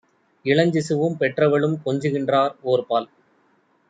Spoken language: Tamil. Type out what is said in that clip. இளஞ்சிசுவும் பெற்றவளும் கொஞ்சுகின்றார் ஓர்பால்!